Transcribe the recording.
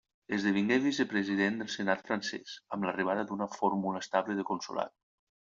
Esdevingué vicepresident del Senat francès amb l'arribada d'una fórmula estable de Consolat.